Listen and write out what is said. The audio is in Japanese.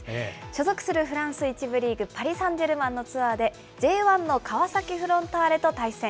所属するフランス１部リーグ・パリサンジェルマンのツアーで、Ｊ１の川崎フロンターレと対戦。